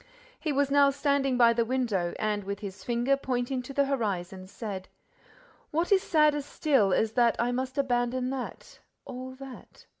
He was now standing by the window, and, with his finger pointing to the horizon, said: "What is sadder still is that I must abandon that, all that!